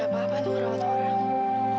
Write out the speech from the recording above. apa apa untuk merawat orang